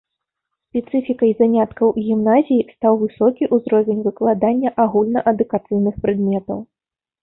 Спецыфікай заняткаў у гімназіі стаў высокі ўзровень выкладання агульнаадукацыйных прадметаў.